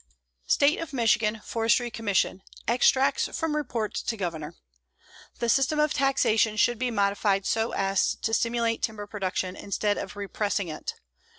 STATE OF MICHIGAN FORESTRY COMMISSION (extracts from report to governor): The system of taxation should be modified so as to stimulate timber production instead of repressing it.